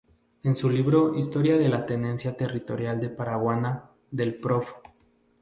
En su libro Historia de la Tenencia Territorial de Paraguaná del Prof.